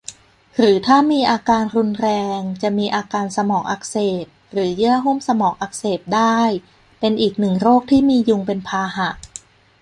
หรือถ้ามีอาการรุนแรง จะมีอาการสมองอักเสบ หรือเยื่อหุ้มสมองอักเสบได้ เป็นอีกหนึ่งโรคที่มียุงเป็นพาหะ